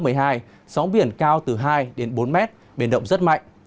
gió biển cao từ hai bốn m biển động rất mạnh